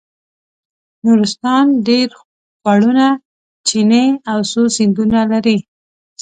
نورستان ډېر خوړونه چینې او څو سیندونه لري.